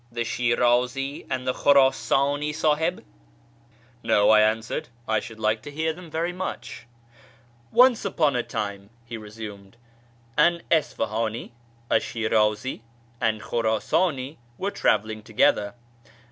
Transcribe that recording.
the Shirazi, and the Khurasani, S;ihib ?"" No," I answered ;" I sliould like to hear them very much." " Once upon a time," he resumed, " an Isfahani, a Shirazi, and Khurasani were travelling together.